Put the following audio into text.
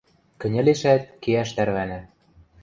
Кӹньӹлешӓт, кеӓш тӓрвана.